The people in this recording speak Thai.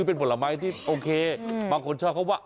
โอเคบางคนชอบเขาว่า